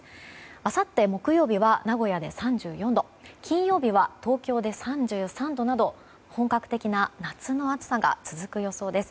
あさって木曜日は名古屋で３４度金曜日は東京で３３度など本格的な夏の暑さが続く予想です。